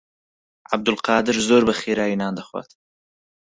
عەبدولقادر زۆر بەخێرایی نان دەخوات.